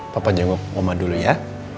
papa jenguk oma dulu ya